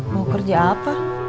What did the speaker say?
mau kerja apa